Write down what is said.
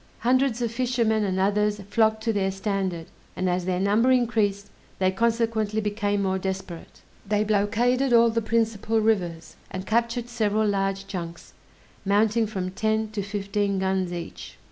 Hundreds of fishermen and others flocked to their standard; and as their number increased they consequently became more desperate. They blockaded all the principal rivers, and captured several large junks, mounting from ten to fifteen guns each.